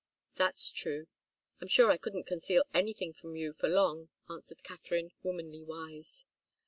"That's true I'm sure I couldn't conceal anything from you for long," answered Katharine, womanly wise.